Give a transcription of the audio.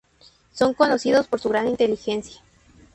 Son conocidos por su gran inteligencia.